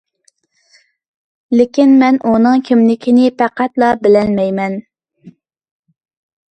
لېكىن مەن ئۇنىڭ كىملىكىنى پەقەتلا بىلمەيمەن.